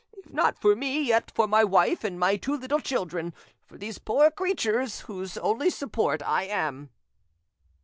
—if not for me, yet for my wife and my two little children—for these poor creatures whose only support I am!"